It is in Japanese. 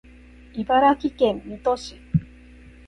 茨城県水戸市